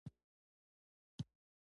خو د یوه ساده خاوند درلودل ډېر ښه وي.